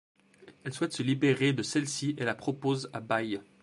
Elle souhaite se libérer de celle-ci et la propose à bail.